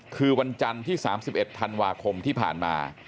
คือวันจันทร์ที่๓๑ธันวาคมที่ผ่านมา